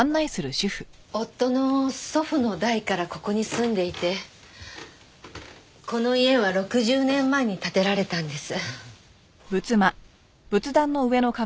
夫の祖父の代からここに住んでいてこの家は６０年前に建てられたんです。